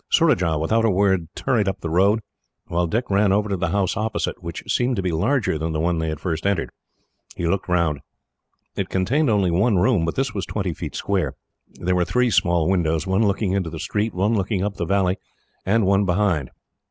Surajah, without a word, hurried up the road, while Dick ran over to the house opposite, which seemed to be larger than the one they had first entered. He looked round. It contained only one room, but this was twenty feet square. There were three small windows, one looking into the street, one looking up the valley, and one behind.